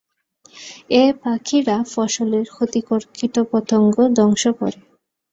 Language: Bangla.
এ পাখিরা ফসলের ক্ষতিকর কীটপতঙ্গ ধ্বংস করে।